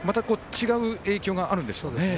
違う影響があるんでしょうね。